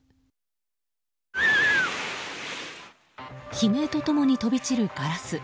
悲鳴と共に飛び散るガラス。